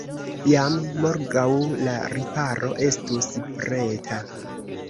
Jam morgaŭ la riparo estus preta.